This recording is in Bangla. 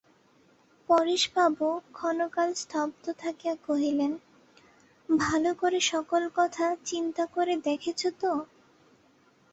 পরেশবাবু ক্ষণকাল স্তব্ধ থাকিয়া কহিলেন, ভালো করে সকল কথা চিন্তা করে দেখেছ তো?